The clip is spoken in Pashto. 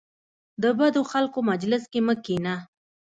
د بدو خلکو مجلس کې مه کینه .